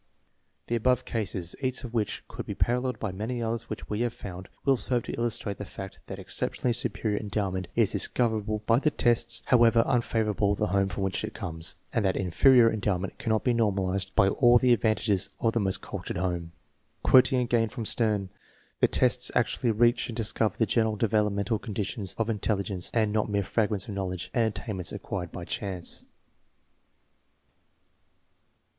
The above cases, each of which could be paralleled by many others which we have found, will serve to illustrate the fact that exceptionally superior endowment is dis coverable by the tests, however unfavorable the home from which it comes, and that inferior endowment cannot be normalized by all the advantages of the most cultured home. Quoting again from Stern, " The tests actually reach and discover the general developmental conditions of intelli gence, and not mere fragments of knowledge and attain ments acquired by chance."